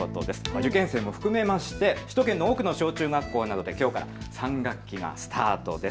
受験生も含めまして首都圏の多くの小中学校などできょうから３学期がスタートです。